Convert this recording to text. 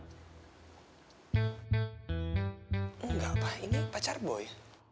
enggak pak ini pacar boy